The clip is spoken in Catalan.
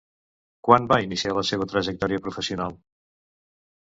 Quan va iniciar la seva trajectòria professional?